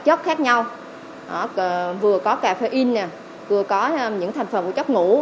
chất bột khác nhau vừa có cà phê in vừa có những thành phần của chất ngủ